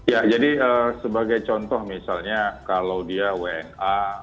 ya jadi sebagai contoh misalnya kalau dia wna